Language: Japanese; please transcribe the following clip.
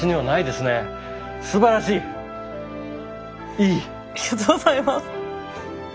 ありがとうございます。